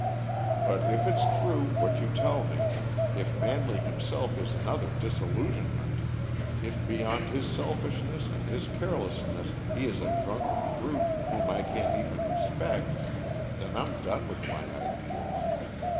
"But if it's true, what you tell me if Manley himself is another disillusionment if beyond his selfishness and his carelessness he is a drunken brute whom I can't even respect, then I'm done with my ideals.